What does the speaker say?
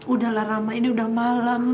udahlah ramai ini udah malam